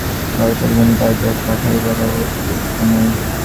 ভারতের কোন কাগজ আর পাঠাইবার আবশ্যকতা নাই।